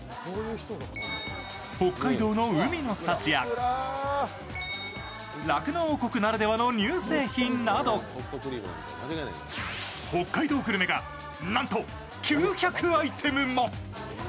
北海道の海の幸や酪農王国ならではの乳製品など北海道グルメがなんと９００アイテムも。